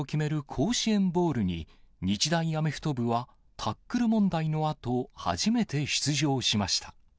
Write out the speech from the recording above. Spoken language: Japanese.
甲子園ボウルに、日大アメフト部は、タックル問題のあと、初めて出場しました。